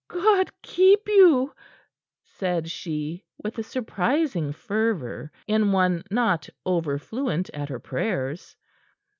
"God keep you!" said she, with a surprising fervor in one not over fluent at her prayers.